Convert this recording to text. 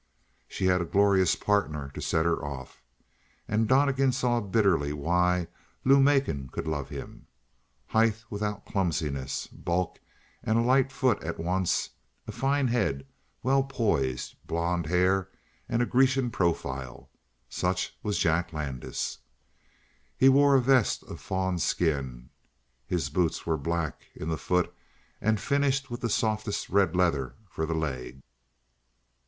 She had a glorious partner to set her off. And Donnegan saw bitterly why Lou Macon could love him. Height without clumsiness, bulk and a light foot at once, a fine head, well poised, blond hair and a Grecian profile such was Jack Landis. He wore a vest of fawn skin; his boots were black in the foot and finished with the softest red leather for the leg.